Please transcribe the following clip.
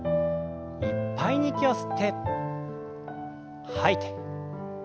いっぱいに息を吸って吐いて。